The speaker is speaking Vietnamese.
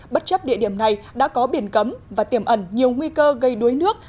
bất chấp địa điểm này đã có biển cấm và tiềm ẩn nhiều nguy cơ gây đuối nước